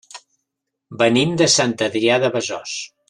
Venim de Sant Adrià de Besòs.